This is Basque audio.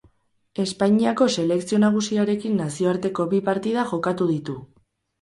Espainiako Selekzio Nagusiarekin nazioarteko bi partida jokatu ditu.